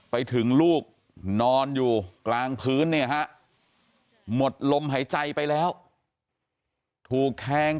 ไปถึงลูกนอนอยู่กลางพื้นเนี่ยฮะหมดลมหายใจไปแล้วถูกแทง